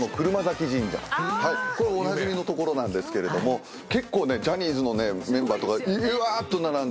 これおなじみのところなんですけれども結構ねジャニーズのメンバーとかうわっと並んでる。